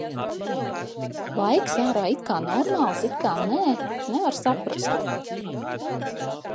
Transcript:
Laiks ārā it kā normāls, it kā nē – nevar saprast.